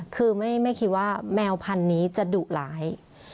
คือไม่คิดว่าแมวพันธุ์นี้จะดุร้าย